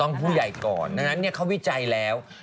ผู้ใหญ่ก่อนดังนั้นเขาวิจัยแล้ว